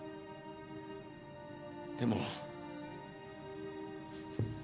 でも。